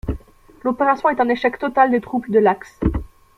L'opération est un échec total des troupes de l'Axe.